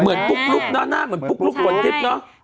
ปุ๊กลุ๊กเนอะหน้าเหมือนปุ๊กลุ๊กฝนทิพย์เนอะ